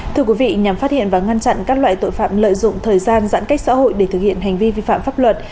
thưa quý vị nhằm phát hiện và ngăn chặn các loại tội phạm lợi dụng thời gian giãn cách xã hội để thực hiện hành vi vi phạm pháp luật